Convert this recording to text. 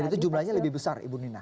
dan itu jumlahnya lebih besar ibu nina